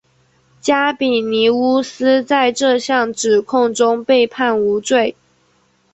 加比尼乌斯在这项指控中被判无罪。